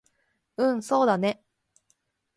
うんそうだね